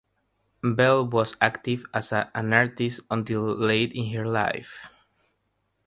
Bell was active as an artist until late in her life.